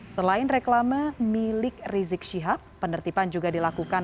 selain reklama milik rizik syihab penertiban juga dilakukan